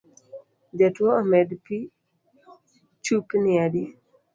Jatuo omed pi chupni adi